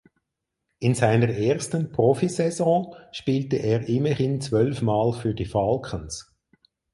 In seiner ersten Profisaison spielte er immerhin zwölf Mal für die Falcons.